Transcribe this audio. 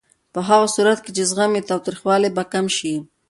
په هغه صورت کې چې زغم وي، تاوتریخوالی به کم شي.